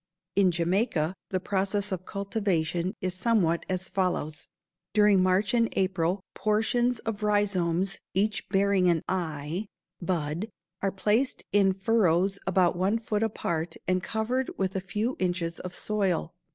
In Jamaica the process of cultivation is somewhat as follows: During March and April portions of rhizomes, each bearing an "eye" (bud), are placed in furrows about one foot apart and covered with a few inches of soil.